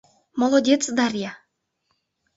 «Молодец Дарья!